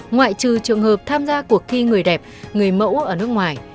ngoại trừ trường hợp tham gia cuộc thi người đẹp người mẫu ở nước ngoài